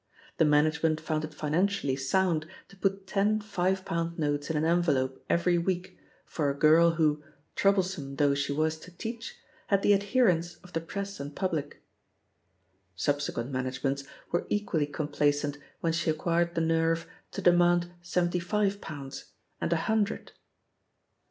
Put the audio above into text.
The management fomid it financially sound to put ten five pound notes in an envelope every week for a girl who, troublesome though she was to teach, had the adherence of the Press and public. (Subsequent managements were equally complacent when she acquired the nerve to demand seventy five pounds, and a hun dred.)